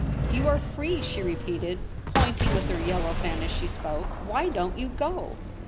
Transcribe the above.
'You are free,' she repeated, pointing with her yellow fan as she spoke. 'Why don't you go